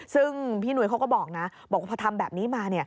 ซึ่งพี่หนุ่ยเขาก็บอกนะบอกว่าพอทำแบบนี้มา